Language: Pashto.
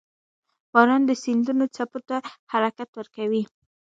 • باران د سیندونو څپو ته حرکت ورکوي.